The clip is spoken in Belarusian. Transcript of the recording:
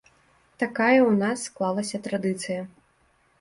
Такая ў нас склалася традыцыя.